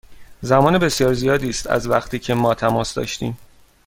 زمان بسیار زیادی است از وقتی که ما تماس داشتیم.